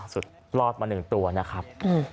สุดรอดมา๑ตัวนะครับ